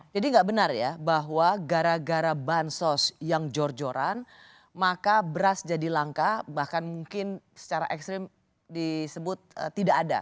jadi enggak benar ya bahwa gara gara bansos yang jorjoran maka beras jadi langka bahkan mungkin secara ekstrim disebut tidak ada